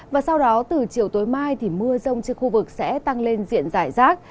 và sau đó từ chiều tối mai thì mưa rông trên khu vực sẽ tăng lên diện giải rác